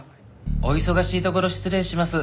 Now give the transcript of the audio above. お忙しいところ失礼します。